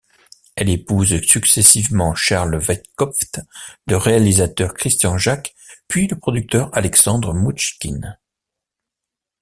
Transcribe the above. Elle épouse successivement Charles Weiskopf, le réalisateur Christian-Jaque puis le producteur Alexandre Mnouchkine.